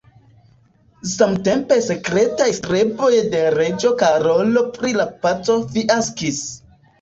Samtempe sekretaj streboj de reĝo Karolo pri la paco fiaskis.